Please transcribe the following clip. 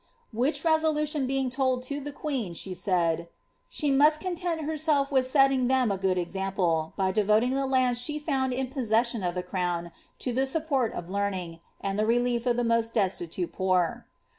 '' Which voMlntioa.being told to the qoaenyib aaid, ^ahe meat content heiaelf with aetting them a good ezampfeibf davoting the landa ahe fonnd in poaaemioa St the oaown to the aoppoii of learning, and the relief of the meet daatitnte poor."